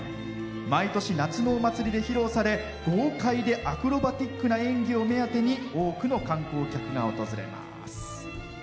毎年夏のお祭りで披露され豪快でアクロバティックな演技を目当てに多くの観光客が訪れます。